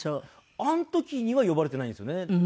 あの時には呼ばれてないんですよね。